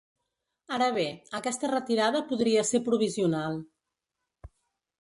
Ara bé, aquesta retirada podria ser provisional.